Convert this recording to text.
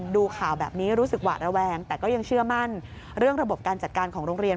ดูข่าวแบบนี้รู้สึกหวาดระแวงแต่ก็ยังเชื่อมั่นเรื่องระบบการจัดการของโรงเรียน